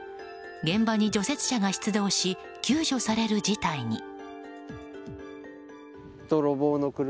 現場に除雪車が出動し救助される事態に。